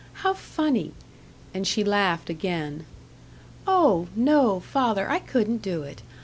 How funny!" and she laughed again. "Oh! no, father, I couldn't do it.